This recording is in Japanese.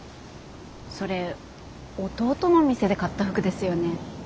それ弟の店で買った服ですよね。